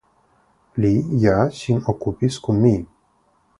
Li ja sin okupis kun mi.